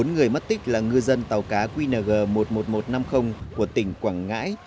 bốn người mất tích là ngư dân tàu cá qng một mươi một nghìn một trăm năm mươi của tỉnh quảng ngãi